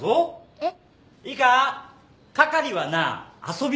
えっ？